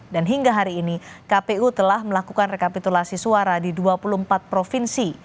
hingga hari ini kpu telah melakukan rekapitulasi suara di dua puluh empat provinsi